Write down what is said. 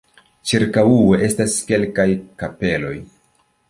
Ĉirkaŭe estas kelkaj kapeloj.